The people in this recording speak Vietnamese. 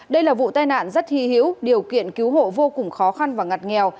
đây là vụ tai nạn rất hy hữu điều kiện cứu hộ vô cùng khó khăn và ngặt nghèo